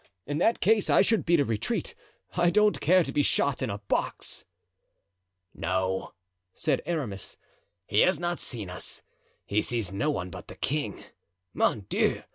"In that case I should beat a retreat. I don't care to be shot in a box." "No," said Aramis, "he has not seen us. He sees no one but the king. Mon Dieu!